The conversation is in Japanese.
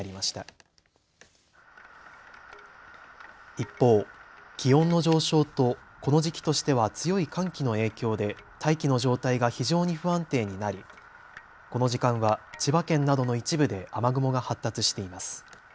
一方、気温の上昇とこの時期としては強い寒気の影響で大気の状態が非常に不安定になりこの時間は千葉県などの一部で雨雲が発達しています。